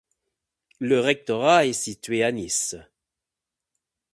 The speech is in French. Le rectorat est situé à Nice.